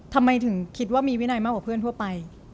ทำไมถึงคิดว่ามีวินัยมากกว่าเพื่อนทั่วไป